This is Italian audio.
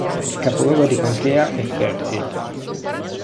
Il capoluogo di contea è Fairfield.